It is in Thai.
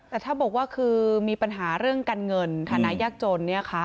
แต่ถ้าบอกว่าคือมีปัญหาเรื่องการเงินฐานะยากจน